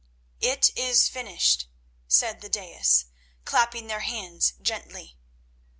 "It is finished," said the daïs, clapping their hands gently.